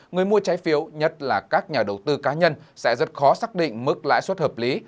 người mua trái phiếu nhất là các nhà đầu tư cá nhân sẽ rất khó xác định mức lãi suất hợp lý